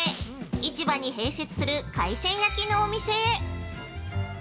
市場に併設する海鮮焼きのお店へ。